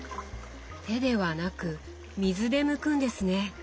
手ではなく水でむくんですね。